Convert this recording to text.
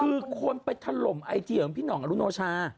คือคนไปถล่มไอจีของพี่ห่องอรุโนชา